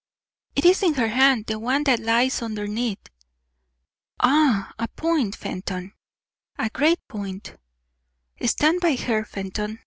"It is in her hand; the one that lies underneath." "Ah! A point, Fenton." "A great point." "Stand by her, Fenton.